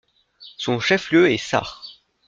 Son chef-lieu est Sarh.